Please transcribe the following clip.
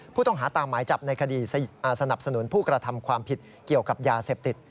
ผู้ต้องหาตามหมายจับในคดีสนับสนุนผู้กระทำความผิดเกี่ยวกับยาเสพติด